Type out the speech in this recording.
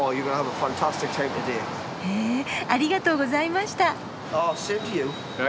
へえありがとうございました。